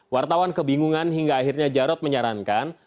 wartawan kebingungan hingga akhirnya jarod menyarankan